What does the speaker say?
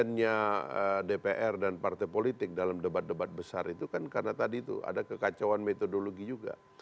dan pesennya dpr dan partai politik dalam debat debat besar itu kan karena tadi tuh ada kekacauan metodologi juga